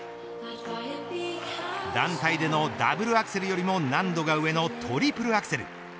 団体でのダブルアクセルよりも難度は上のトリプルアクセル。